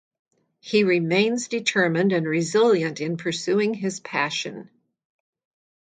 He remains determined and resilient in pursuing his passion.